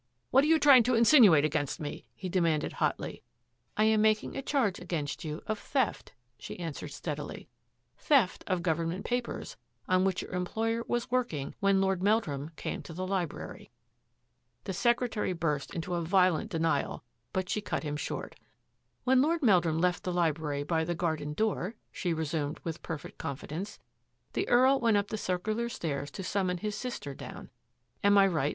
What are you trying to insinuate against me? " he demanded hotly. " I am making a charge against you of theft," she answered steadily, " theft of the government papers on which your employer was working when Lord Meldrum came to the library.'* The secretary burst into a violent denial, but she cut him short. " When Lord Meldrum left the library by the garden door," she resumed with perfect confi dence, " the Earl went up the circular stairs to summon his sister down. Am I right.